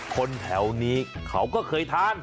คนแถวนี้เขาก็เคยทาน